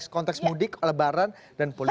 konteks mudik lebaran dan